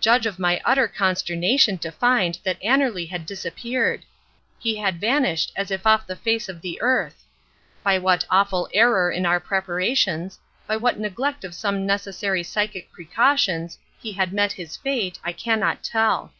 Judge of my utter consternation to find that Annerly had disappeared. He had vanished as if off the face of the earth. By what awful error in our preparations, by what neglect of some necessary psychic precautions, he had met his fate, I cannot tell.